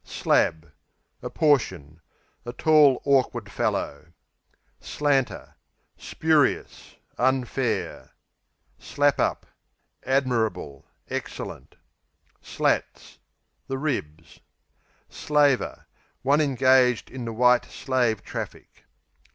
Slab A portion; a tall, awkward fellow. Slanter Spurious; unfair. Slap up Admirable; excellent. Slats The ribs. Slaver One engaged in the "white slave traffic."